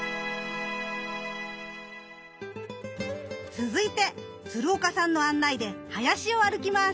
続いて鶴岡さんの案内で林を歩きます。